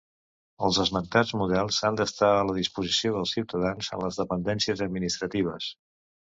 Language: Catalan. Els esmentats models han d’estar a la disposició dels ciutadans en les dependències administratives.